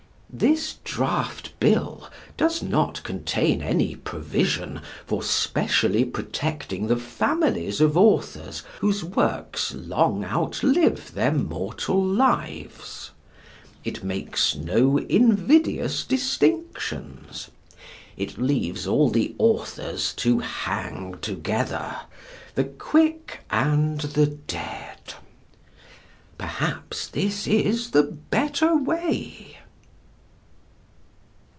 This draft Bill does not contain any provision for specially protecting the families of authors whose works long outlive their mortal lives. It makes no invidious distinctions. It leaves all the authors to hang together, the quick and the dead. Perhaps this is the better way.